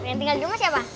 yang tinggal jumat siapa